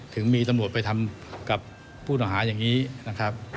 ถึงมีตำรวจไปทำกับผู้ต่อหาอย่างนี้นะครับ